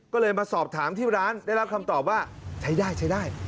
ก็เลยมาสอบถามที่ร้านได้รับคำตอบว่าใช้ได้ใช้ได้